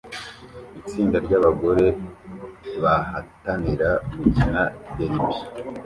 Itsinda ryabagore bahatanira gukina derby